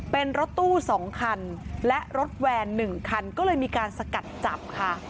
เป็นรถตู้๒คันและรถแวน๑คันก็เลยมีการสกัดจับค่ะ